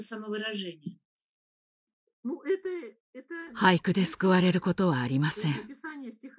俳句で救われることはありません。